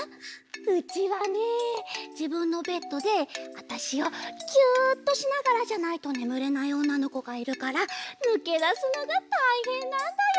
うちはねじぶんのベッドであたしをギュっとしながらじゃないとねむれないおんなのこがいるからぬけだすのがたいへんなんだよ。